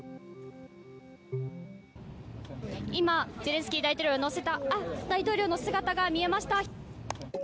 今、ゼレンスキー大統領を乗せた大統領の姿が見えました。